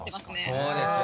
そうですよね。